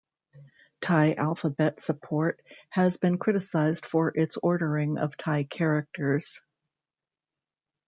Thai alphabet support has been criticized for its ordering of Thai characters.